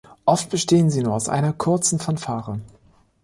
Oft bestehen sie nur aus einer kurzen Fanfare.